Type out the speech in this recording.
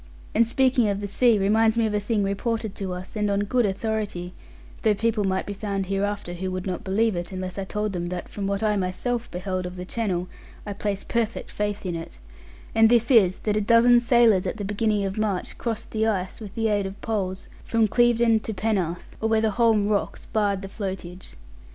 And speaking of the sea reminds me of a thing reported to us, and on good authority; though people might be found hereafter who would not believe it, unless I told them that from what I myself beheld of the channel I place perfect faith in it: and this is, that a dozen sailors at the beginning of March crossed the ice, with the aid of poles from Clevedon to Penarth, or where the Holm rocks barred the flotage.